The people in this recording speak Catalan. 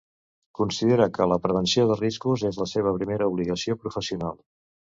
Considera que la prevenció de riscos és la seva primera obligació professional.